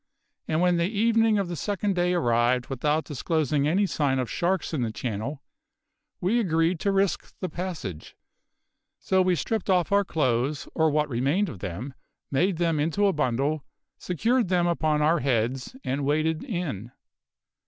And when the evening of the second day arrived without disclosing any sign of sharks in the channel, we agreed to risk the passage; so we stripped off our clothes or what remained of them made them into a bundle, secured them upon our heads, and waded in.